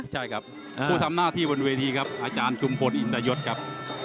ใช่ครับผู้ทำหน้าที่บนเวทีครับอาจารย์ชุมพลอินตยศครับ